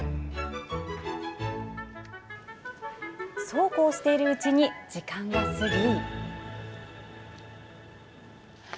そうこうしているうちに時間が過ぎ。